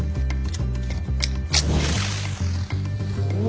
お！